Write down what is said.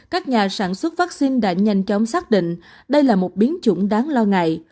các nhà sản xuất vaccine đã nhanh chóng xác định đây là một biến chủng đáng lo ngại